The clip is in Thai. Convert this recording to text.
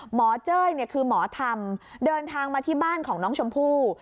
เจ้ยคือหมอธรรมเดินทางมาที่บ้านของน้องชมพู่